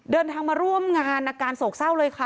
เดินทางมาร่วมงานอาการโศกเศร้าเลยค่ะ